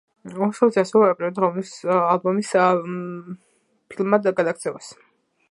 უილსონი ასევე აპირებდა ალბომის ფილმად გადაქცევას.